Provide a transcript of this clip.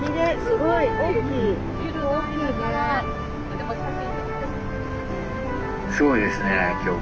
すごいですね今日。